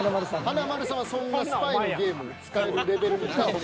華丸さんはそんなスパイのゲーム使えるレベルに至ってない。